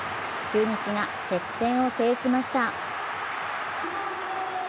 中日が接戦を制しました。